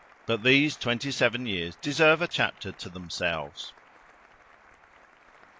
But these twenty seven years deserve a chapter to themselves.